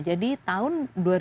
jadi tahun dua ribu tujuh belas